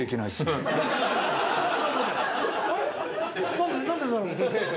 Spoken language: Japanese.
何で何でだろう？